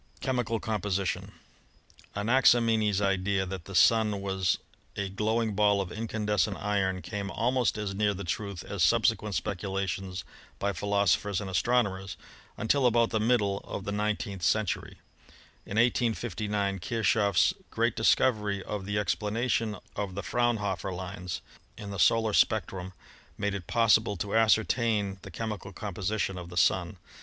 Chemical Composition. — Anaximenes* idea that the Sun was a glowing ball of incandescent iron came almost as near the truth as subsequent speculations by philosophers and astronomers, until about the middle of the nineteenth ii2 ASTRONOMY century. In 1859 KirchofFs great discovery of the ex planation of the Fraunhofer lines in the solar spectrum made it possible to ascertain the chemical compositon of the Sun.